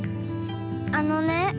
あのね。